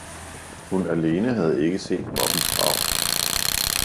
hun alene havde ikke set moppens grav.